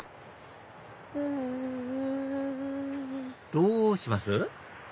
どうします？